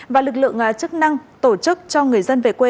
và lực lượng chức năng tổ chức cho người dân về quê